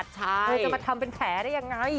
เธอจะมาทำเป็นแผลได้ยังไง